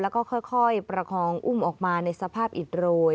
แล้วก็ค่อยประคองอุ้มออกมาในสภาพอิดโรย